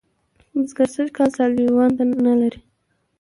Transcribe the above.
بزگر سږ کال سیاليوان نه لري.